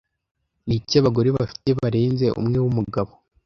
Niki abagore bafite barenze umwe wumugabo